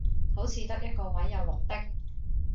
好似得一個位有綠的